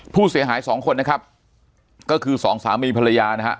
ผู้เสียหายสองคนนะครับก็คือสองสามีภรรยานะฮะ